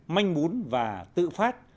manh bún và tự phát